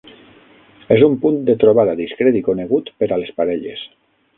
És un punt de trobada discret i conegut per a les parelles.